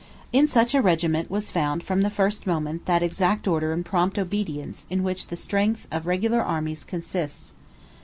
In such a regiment was found from the first moment that exact order and prompt obedience in which the strength of regular armies consists.